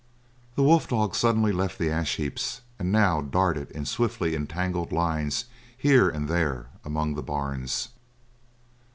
The wolf dog suddenly left the ash heaps and now darted in swiftly entangled lines here and there among the barns.